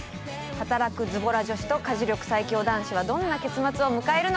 働くズボラ女子と家事力最強男子はどんな結末を迎えるのか？